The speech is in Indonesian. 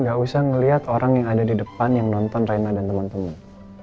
gak usah ngeliat orang yang ada di depan yang nonton rena dan temen temen